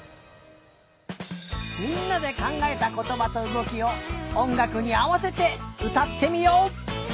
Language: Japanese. みんなでかんがえたことばとうごきをおんがくにあわせてうたってみよう！